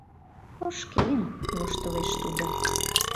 — Кошкен... — воштылеш Тудо.